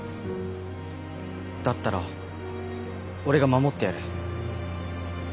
だったら俺が守ってやる。